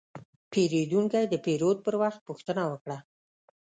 پیرودونکی د پیرود پر وخت پوښتنه وکړه.